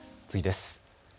次です。